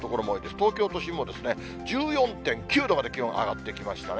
東京都心も１４．９度まで気温上がってきましたね。